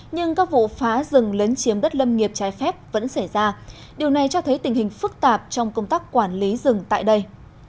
nhưng các vụ phá rừng lấn chiếm đất lâm nghiệp trái phép vẫn xảy ra điều này cho thấy tình hình phức tạp trong công tác quản lý rừng tại đây